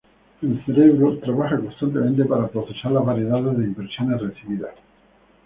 El cerebro trabaja constantemente para procesar la variedad de impresiones recibidas.